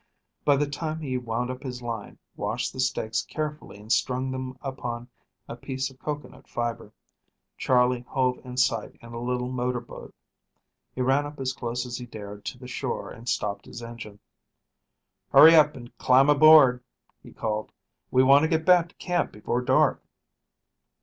By the time he wound up his line, washed the steaks carefully and strung them upon a piece of cocoanut fiber, Charley hove in sight in a little motor boat. He ran up as close as he dared to the shore and stopped his engine. "Hurry up and climb aboard," he called, "we want to get back to camp before dark."